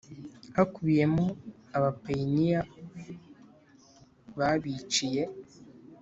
hakubiyemo abapayiniya babiciye